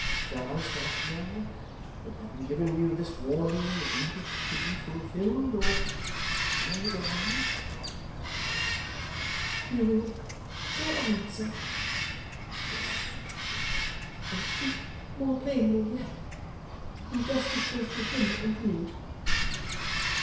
Shall I stop here, and having given you this warning, leave it to be fulfilled; or shall I go on?' 'You will go on, sir,' she answered, 'and speak more plainly yet, in justice both to him and me.